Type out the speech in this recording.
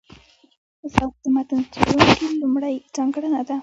ذوق د متن څېړونکي لومړۍ ځانګړنه ده.